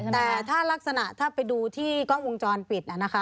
แต่ถ้ารักษณะถ้าไปดูที่กล้องวงจรปิดนะคะ